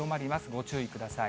ご注意ください。